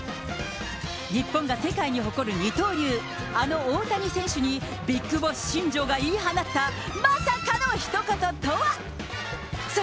日本が世界に誇る二刀流、あの大谷選手にビッグボス新庄が言い放ったまさかのひと言とは。